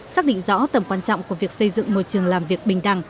xác định rõ tầm quan trọng của việc xây dựng môi trường làm việc bình đẳng